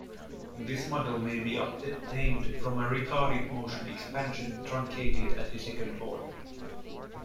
This model may be obtained from a retarded motion expansion truncated at the second-order.